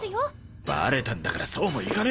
バレたんだからそうもいかねぇだろ。